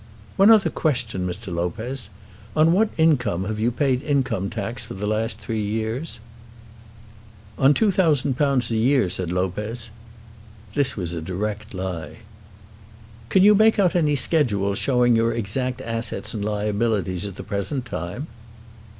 "One other question, Mr. Lopez. On what income have you paid income tax for the last three years?" "On £2000 a year," said Lopez. This was a direct lie. "Can you make out any schedule showing your exact assets and liabilities at the present time?"